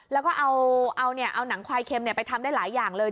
แล้วก็เอาหนังควายเค็มไปทำได้หลายอย่างเลย